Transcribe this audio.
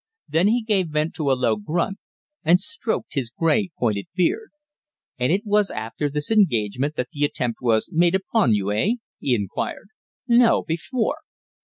Then he gave vent to a low grunt, and stroked his grey pointed beard. "And it was after this engagement that the attempt was made upon you eh?" he inquired. "No, before."